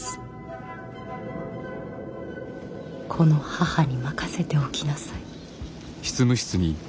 この母に任せておきなさい。